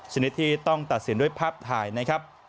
ชนิดที่ต้องตัดสินด้วยภาพถ่ายนะครับ